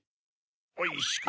おいしく。